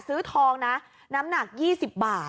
ซื้อทองนะน้ำหนัก๒๐บาท